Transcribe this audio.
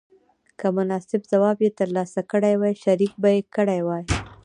که مناسب ځواب یې تر لاسه کړی وای شریک به یې کړی وای.